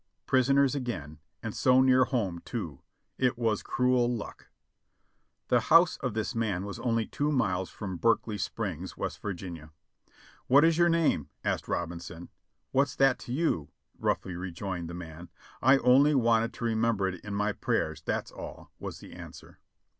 Prisoners again, and so near home too, it was cruel luck ! The house of this man was only two miles from Berkeley Springs, West Virginia. "What is your name?" asked Robinson. "What's that to you?" roughly rejoined the man. "I only wanted to remember it in my prayers, that's all," was the answer.